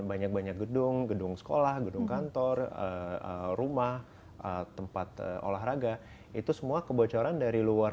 banyak banyak gedung gedung sekolah gedung kantor rumah tempat olahraga itu semua kebocoran dari luar